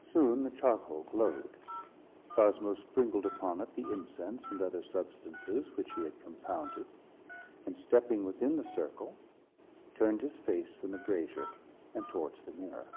Soon the charcoal glowed. Cosmo sprinkled upon it the incense and other substances which he had compounded, and, stepping within the circle, turned his face from the brazier and towards the mirror.